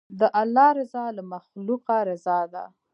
د الله رضا له مخلوقه رضا ده.